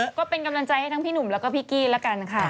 ก็เป็นกำลังใจให้ทั้งพี่หนุ่มแล้วก็พี่กี้ละกันค่ะ